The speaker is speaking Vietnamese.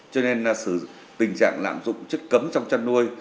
cho nên tình trạng lạm dụng chất cấm trong chăn nuôi